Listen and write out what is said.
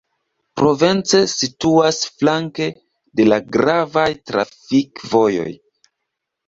Provence situas flanke de la gravaj trafikvojoj.